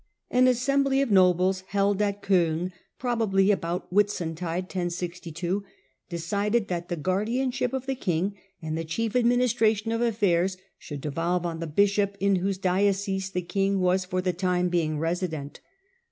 An assembly of nobles held at C5ln, probably about Whitsuntide (1062), decided that the guardianship of the king and the chief administration of affairs should devolve on the bishop in whose diocese the king was for the time being pesident.